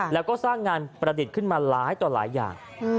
แล้วก็สร้างงานประดิษฐ์ขึ้นมาหลายต่อหลายอย่าง